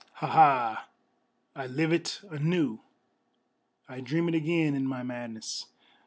Ha! Ha! I live it anew, I dream it again in my madness.